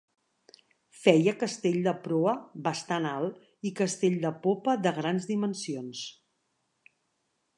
Feia castell de proa, bastant alt, i castell de popa de grans dimensions.